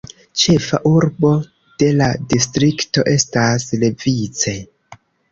Ĉefa urbo de la distrikto estas Levice.